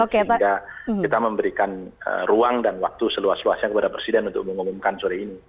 sehingga kita memberikan ruang dan waktu seluas luasnya kepada presiden untuk mengumumkan sore ini